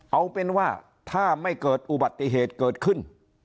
เอาเป็นว่าถ้าไม่เกิดอุบัติเหตุเกิดขึ้น